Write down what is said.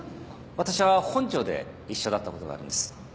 私は本庁で一緒だったことがあるんです。